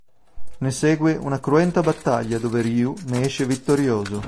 Ne segue una cruenta battaglia dove Ryu ne esce vittorioso.